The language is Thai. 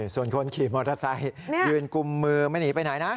ส่วนคนขี่มอเตอร์ไซค์ยืนกุมมือไม่หนีไปไหนนะ